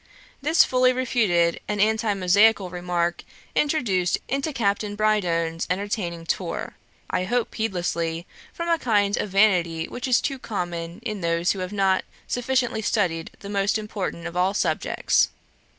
This fully refuted an antimosaical remark introduced into Captain Brydone's entertaining tour, I hope heedlessly, from a kind of vanity which is too common in those who have not sufficiently studied the most important of all subjects.